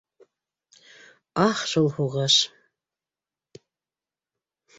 Ах шул һуғыш!